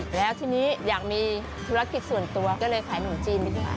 แล้วทีนี้อยากมีธุรกิจส่วนตัวก็เลยขายขนมจีนดีกว่า